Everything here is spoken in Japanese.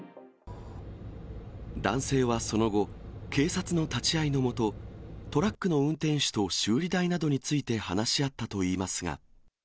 男性はその後、警察の立ち会いの下、トラックの運転手と修理代などについて話し合ったといいますが。